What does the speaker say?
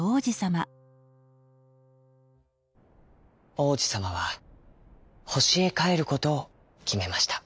王子さまは星へかえることをきめました。